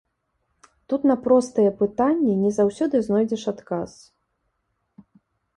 Тут на простыя пытанні не заўсёды знойдзеш адказ.